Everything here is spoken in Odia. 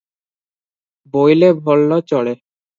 ବୋଇଲେ ଭଲ ଚଳେ ।